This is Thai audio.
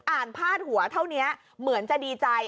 พาดหัวเท่านี้เหมือนจะดีใจ